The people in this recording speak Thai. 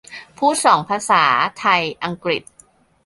พูดสองภาษา ไทย-อังกฤษ ?